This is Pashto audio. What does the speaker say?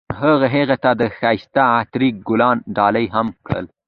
هغه هغې ته د ښایسته عطر ګلان ډالۍ هم کړل.